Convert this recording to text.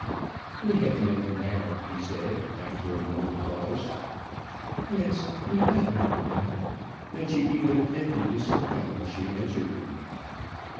"We have met now," he said, after another pause. "Yes, we have met now;" and she even attempted to smile as she answered him.